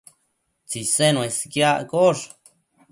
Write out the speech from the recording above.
Tsisen uesquiaccosh